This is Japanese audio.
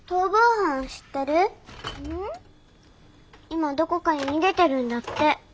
今どこかに逃げてるんだって。